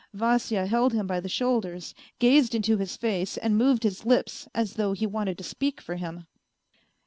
Vasya held him by the shoulders, gu/.ed into his face and moved his lips, as though he wanted to speak for him.